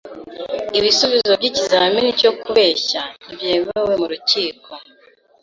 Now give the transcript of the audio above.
Ibisubizo by'ikizamini cyo kubeshya ntibyemewe mu rukiko.